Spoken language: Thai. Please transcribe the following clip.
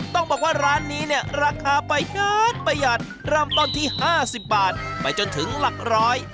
ต้องบอกว่าร้านนี้เนี่ยราคาประหยัดประหยัดเริ่มต้นที่๕๐บาทไปจนถึงหลักร้อย